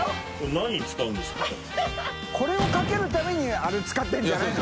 海譴かけるためにあれ使ってるんじゃないの？